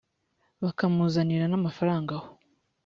bakamuzanira n amafaranga ho